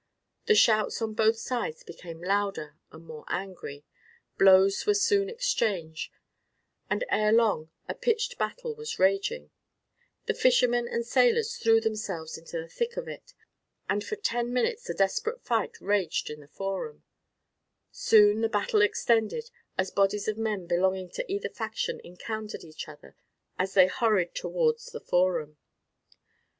The shouts on both sides became louder and more angry. Blows were soon exchanged, and ere long a pitched battle was raging. The fishermen and sailors threw themselves into the thick of it, and for ten minutes a desperate fight raged in the forum. Soon the battle extended, as bodies of men belonging to either faction encountered each other as they hurried towards the forum.